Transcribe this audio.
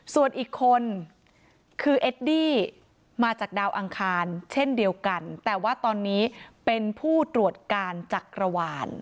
ส่วนอีกคนคือเอดดี้มาจากดาวอังคารเช่นเดียวกันแต่ว่าตอนนี้เป็นผู้ตรวจการจักรวาล